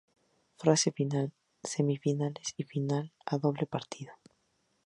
Fase final: Semifinales y final a doble partido.